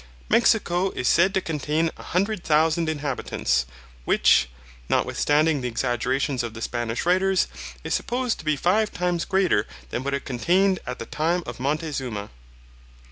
Mexico is said to contain a hundred thousand inhabitants, which, notwithstanding the exaggerations of the Spanish writers, is supposed to be five times greater than what it contained in the time of Montezuma.